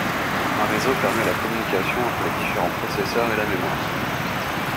Un réseau permet la communication entre les différents processeurs et la mémoire.